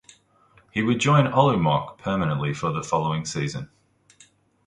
He would join Olomouc permanently for the following season.